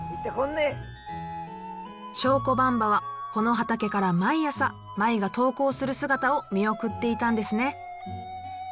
祥子ばんばはこの畑から毎朝舞が登校する姿を見送っていたんですね。